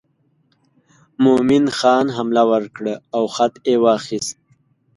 مومن خان حمله ور کړه او خط یې واخیست.